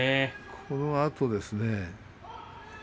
そのあとですね。